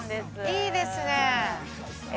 いいですね。